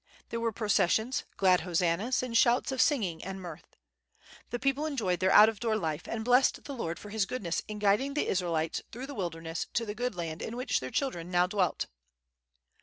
There were processions, glad hosannas, and sounds of singing and mirth. The people enjoyed their out of door life, and blessed the Lord for His goodness in guiding the Israelites through the wilderness to the good land in which their children now dwelt."